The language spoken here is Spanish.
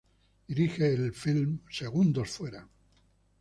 Dirigió el filme "¡Segundos afuera!